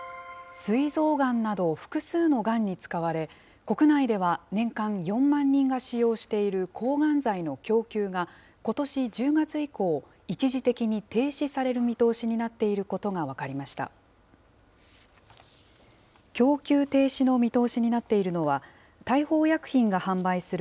すい臓がんなど、複数のがんに使われ、国内では年間４万人が使用している抗がん剤の供給が、ことし１０月以降、一時的に停止される見通しになっていることが分かりました。